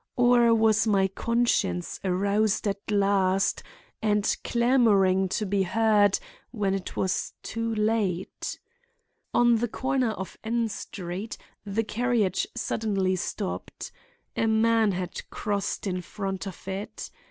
Or was my conscience aroused at last and clamoring to be heard when it was too late? On the corner of N Street the carriage suddenly stopped. A man had crossed in front of it.